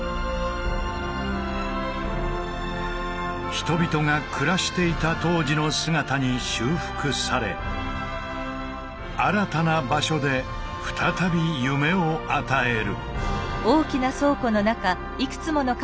人々が暮らしていた当時の姿に修復され新たな場所で再び夢を与える。